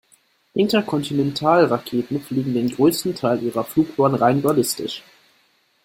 Interkontinentalraketen fliegen den größten Teil ihrer Flugbahn rein ballistisch.